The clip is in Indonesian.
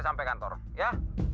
sampai kantor ya